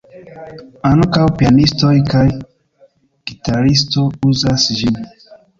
Ankaŭ pianistoj kaj gitaristo uzas ĝin.